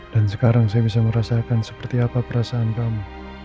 dan sekarang saya bisa merasakan seperti apa perasaan kamu